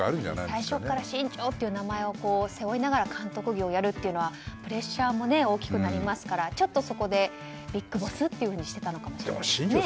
最初からＳＨＩＮＪＯという名前を背負いながら監督業をやるのはプレッシャーも大きくなるのでちょっとそこでＢＩＧＢＯＳＳとしていたのかもですね。